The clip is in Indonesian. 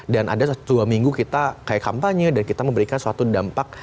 dan ada dua minggu kita kayak kampanye dan kita memberikan suatu dampak